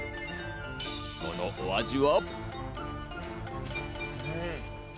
そのお味は？